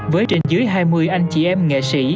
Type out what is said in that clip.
với trên dưới hai mươi anh chị em nghệ sĩ